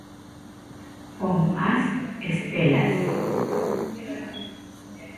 Como as estrelas.